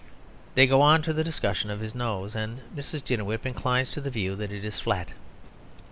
They go on to the discussion of his nose, and Mrs. Jiniwin inclines to the view that it is flat.